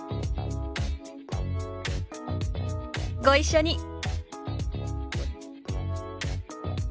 ご一緒に。